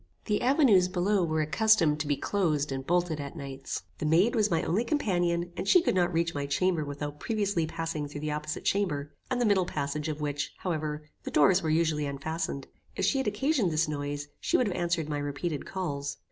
The avenues below were accustomed to be closed and bolted at nights. The maid was my only companion, and she could not reach my chamber without previously passing through the opposite chamber, and the middle passage, of which, however, the doors were usually unfastened. If she had occasioned this noise, she would have answered my repeated calls.